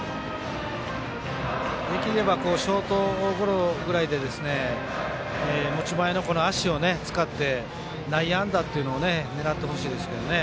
できれば、ショートゴロぐらいで持ち前の足を使って内野安打を狙ってほしいですね。